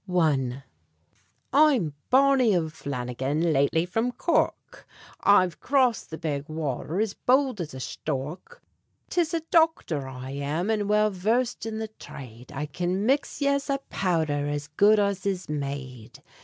I. I'm Barney O'Flannigan, lately from Cork; I've crossed the big watther as bould as a shtork. 'Tis a dochther I am and well versed in the thrade; I can mix yez a powdher as good as is made.